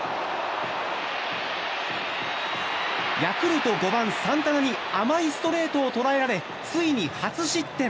ヤクルト５番、サンタナに甘いストレートをとらえられついに初失点。